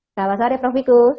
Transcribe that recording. selamat sore prof wiku